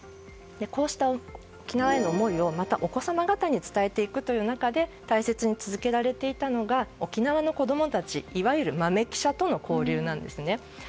こうした沖縄への思いをまたお子様方に伝えていくという中で大切に続けられていたのが沖縄の子供たちいわゆる豆記者との交流なんですね。